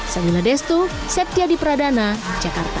saya mila destu septia di pradana jakarta